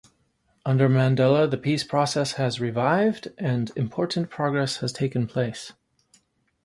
Under Mandela the peace process has revived and important progress has taken place.